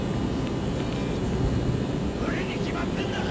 無理に決まってんだろ